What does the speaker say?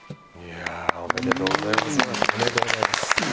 おめでとうございます。